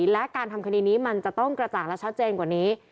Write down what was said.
และการทำคดีนี้มันจะต้องกระจ่างและชัดเจนกว่านี้